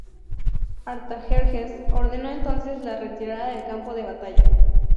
Artajerjes ordenó entonces la retirada del campo de batalla.